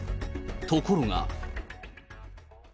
ところが。